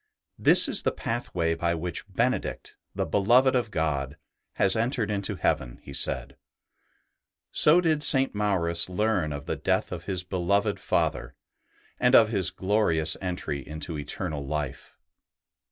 " This is the pathway by which Benedict, the beloved of God, has entered into heaven," he said. So did St. Maurus learn of the death of his beloved Father, and of his glorious entry into eternal life.